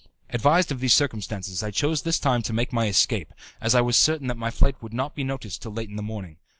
Advised of these circumstances, I chose this time to make my escape, as I was certain that my flight would not be noticed till late in the morning.